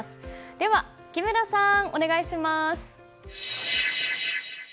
では木村さん、お願いします。